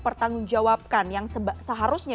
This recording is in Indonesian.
pertanggungjawabkan yang seharusnya